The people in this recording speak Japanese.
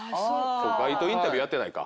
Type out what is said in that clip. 街頭インタビューやってないか。